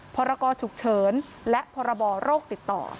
พรกรฉุกเฉินและพรบโรคติดต่อ